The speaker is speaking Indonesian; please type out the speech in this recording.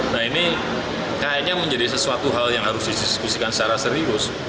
nah ini kayaknya menjadi sesuatu hal yang harus didiskusikan secara serius